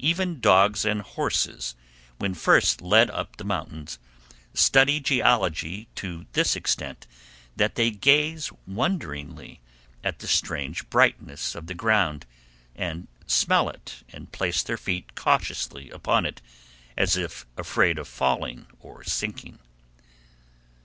Even dogs and horses, when first led up the mountains, study geology to this extent that they gaze wonderingly at the strange brightness of the ground and smell it, and place their feet cautiously upon it as if afraid of falling or sinking.